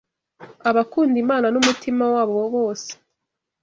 Abakunda Imana n’umutima wabo bose